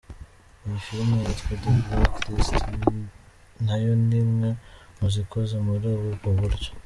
Iyi film yitwa The Blacklist nayo ni imwe mu zikoze muri ubwo buryo.